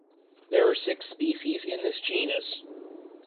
There are six species in this genus.